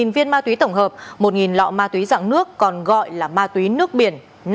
một mươi viên ma túy tổng hợp một lọ ma túy dạng nước còn gọi là ma túy nước biển